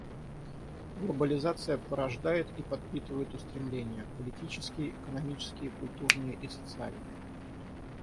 Глобализация порождает и подпитывает устремления — политические, экономические, культурные и социальные.